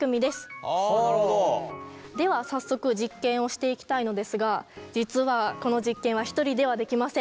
では早速実験をしていきたいのですが実はこの実験は１人ではできません。